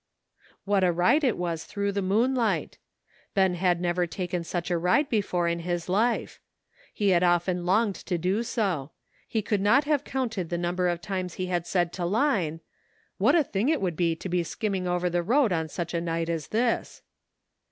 What a ride it was through the moonlight. Ben had never taken such a ride before in his life. He had often longed to do so ; he could not have counted the number of times he had said to Line, *' What a thing it would be to be skimming over the road on such a night as this."